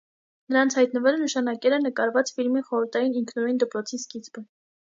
Նրանց հայտնվելը նշանակել է նկարված ֆիլմի խորհրդային ինքնուրույն դպրոցի սկիզբը։